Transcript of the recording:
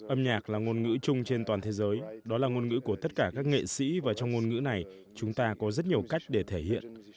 âm nhạc là ngôn ngữ chung trên toàn thế giới đó là ngôn ngữ của tất cả các nghệ sĩ và trong ngôn ngữ này chúng ta có rất nhiều cách để thể hiện